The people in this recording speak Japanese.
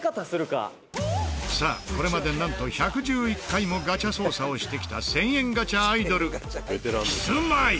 さあこれまでなんと１１１回もガチャ捜査をしてきた１０００ガチャアイドルキスマイ！